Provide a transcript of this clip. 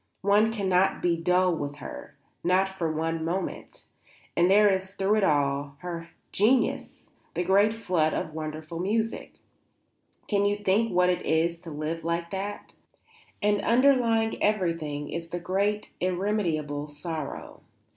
One cannot be dull with her, not for one moment. And there is through it all her genius, the great flood of wonderful music; can you think what it is like to live with that? And under lying everything is the great irremediable sorrow.